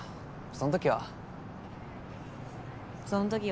その時は？